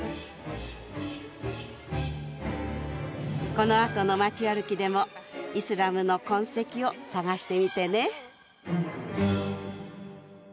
このあとの街歩きでもイスラムの痕跡を探してみてね！